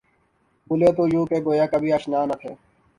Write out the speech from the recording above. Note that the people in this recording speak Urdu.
بُھولے تو یوں کہ گویا کبھی آشنا نہ تھے